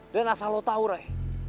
dan asal lu tau rai